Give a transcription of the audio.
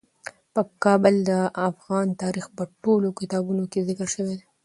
کابل د افغان تاریخ په ټولو کتابونو کې ذکر شوی دی.